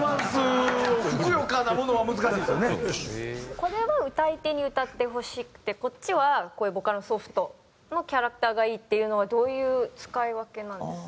これは歌い手に歌ってほしくてこっちはこういうボカロソフトのキャラクターがいいっていうのはどういう使い分けなんですか？